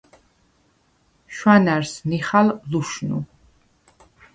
შვანა̈რს ნიხალ ლუშნუ.